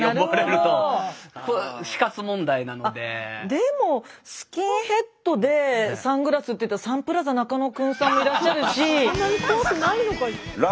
でもスキンヘッドでサングラスっていったらサンプラザ中野くんさんもいらっしゃるし。